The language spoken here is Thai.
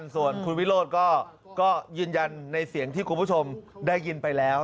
ส่วนคุณวิโรธก็ยืนยันในเสียงที่คุณผู้ชมได้ยินไปแล้ว